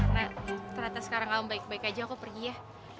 nah ternyata sekarang kamu baik baik aja aku pergi ya